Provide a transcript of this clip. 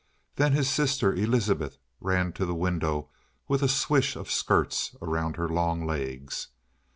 Then his sister Elizabeth ran to the window with a swish of skirts around her long legs.